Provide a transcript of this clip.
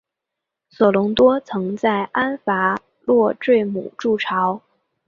索隆多曾在安戈洛坠姆筑巢。